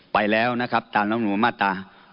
ไปแล้วนะครับตามรองหนุนมาตร๑๕๒